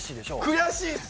悔しいです。